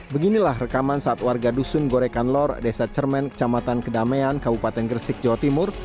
beginilah rekaman saat warga dusun gorekan lor desa cermen kecamatan kedamaian kabupaten gresik jawa timur